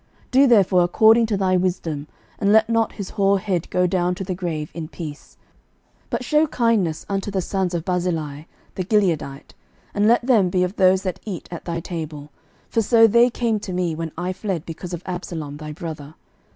11:002:006 Do therefore according to thy wisdom, and let not his hoar head go down to the grave in peace. 11:002:007 But shew kindness unto the sons of Barzillai the Gileadite, and let them be of those that eat at thy table: for so they came to me when I fled because of Absalom thy brother.